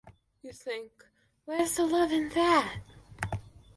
You think, where's the love in that?